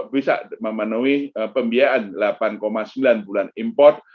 bisa memenuhi pembiayaan delapan sembilan bulan import